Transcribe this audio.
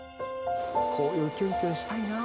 こういうキュンキュンしたいな。